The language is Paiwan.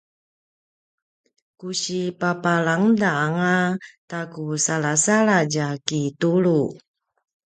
ku si papalangda anga ta ku salasaladj a kitulu